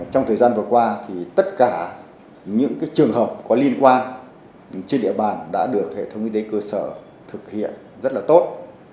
trong thời gian vừa qua thì tất cả những trường hợp có liên quan trên địa bàn đã được hệ thống y tế cơ sở thực hiện rất là tốt